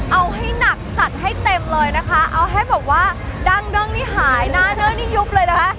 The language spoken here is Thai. เอาให้หนักจัดให้เต็มเลยนะคะเอาให้แบบว่าดั้งนี่หายหน้าเด้อนี่ยุบเลยนะคะ